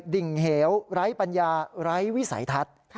ดิ่งเหวไร้ปัญญาไร้วิสัยทัศน์